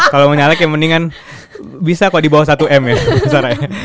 kalau mau nyalek ya mendingan bisa kok dibawah satu m ya